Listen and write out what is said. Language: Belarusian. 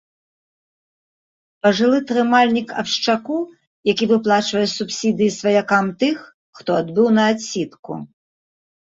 Пажылы трымальнік абшчаку, які выплачвае субсідыі сваякам тых, хто адбыў на адсідку.